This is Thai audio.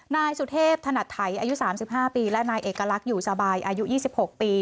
นายสุเทพถนัดไทยอายุ๓๕ปีและนายเอกลักษณ์อยู่สบายอายุ๒๖ปี